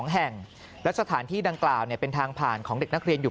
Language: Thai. ๒แห่งและสถานที่ดังกล่าวเป็นทางผ่านของเด็กนักเรียนอยู่